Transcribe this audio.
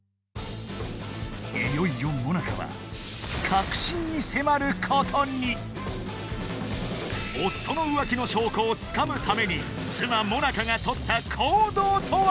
いよいよもなかはことに夫の浮気の証拠をつかむために妻・もなかがとった行動とは？